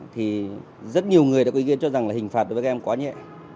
thì rất nhiều người đã có ý kiến cho rằng hình phạt với các em quá nhẹ